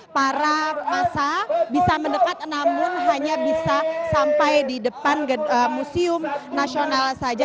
para masa bisa mendekat namun hanya bisa sampai di depan museum nasional saja